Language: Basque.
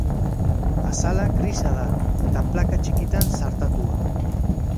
Azala grisa da, eta plaka txikitan zartatua.